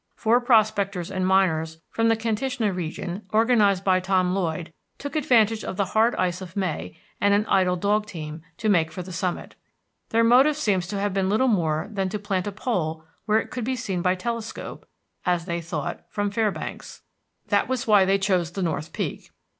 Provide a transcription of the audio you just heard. Four prospectors and miners from the Kantishna region organized by Tom Lloyd, took advantage of the hard ice of May, and an idle dog team, to make for the summit. Their motive seems to have been little more than to plant a pole where it could be seen by telescope, as they thought, from Fairbanks; that was why they chose the North Peak.